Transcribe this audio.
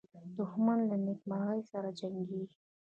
دښمن له نېکمرغۍ سره جنګیږي